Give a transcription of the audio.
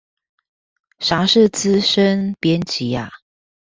啥是資深編輯啊？